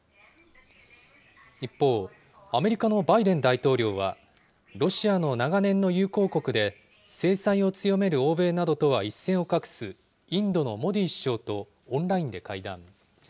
一方、アメリカのバイデン大統領は、ロシアの長年の友好国で、制裁を強める欧米などとは一線を画すインドのモディ首相とオンラインで会談。